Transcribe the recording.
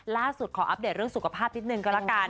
ล่าสุดขออัปเดตเรื่องสุขภาพนิดนึงก็แล้วกัน